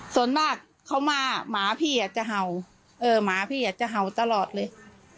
ส่วนมากเขามาหมาพี่จะเห่าหมาพี่จะเห่าตลอดเลย